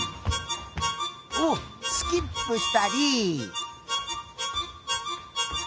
おっスキップしたり。